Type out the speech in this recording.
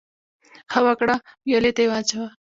ـ ښه وکړه ، ويالې ته يې واچوه.